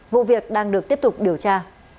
vụ việc đang được tiếp tục điều tra